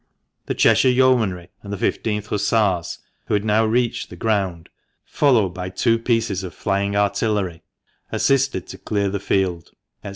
The Cheshire Yeomanry, and the I5th Hussars, who had now reached the ground, followed by two pieces of flying artillery ', assisted to clear the field," &c.